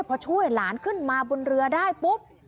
พอช่วยหลานขึ้นมาบนเรือได้ปุ๊บ